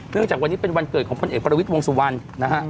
จากวันนี้เป็นวันเกิดของพลเอกประวิทย์วงสุวรรณนะฮะ